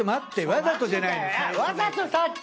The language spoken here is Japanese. わざとじゃない！